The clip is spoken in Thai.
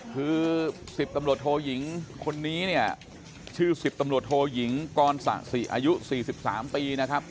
คือ๑๐ตำรวจโทยิงคนนี้เนี่ยชื่อ๑๐ตำรวจโทยิงกรสะสิอายุ๔๓ปีนะครับ